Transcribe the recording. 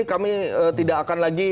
kami tidak akan lagi